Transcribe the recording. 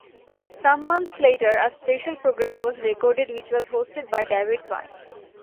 Some months later, a special programme was recorded which was hosted by David Vine.